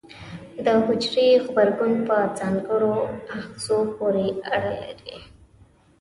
د حجرې غبرګون په ځانګړو آخذو پورې اړه لري.